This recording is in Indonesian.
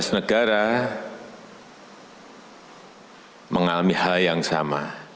dua ratus lima belas negara mengalami hal yang sama